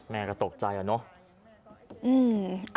แม่ก็ตกใจอะเนาะ